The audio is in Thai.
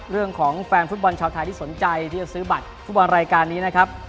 แฟนฟุตบอลชาวไทยที่สนใจที่จะซื้อบัตรฟุตบอลรายการนี้นะครับ